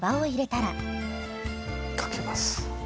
かけます。